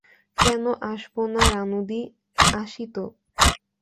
-কেন আসবো না রানুদি,-আসি তো?